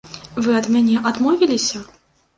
Вы ад мяне адмовіліся?